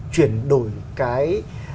chuyển đổi cái